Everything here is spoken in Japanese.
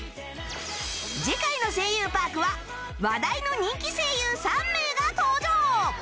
次回の『声優パーク』は話題の人気声優３名が登場